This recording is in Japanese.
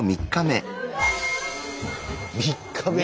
３日目！